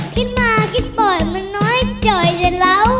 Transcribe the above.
ขึ้นมาขึ้นปล่อยน้อยจ่อยเดนะ